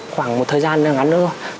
khoảng một thời gian ngắn nữa thôi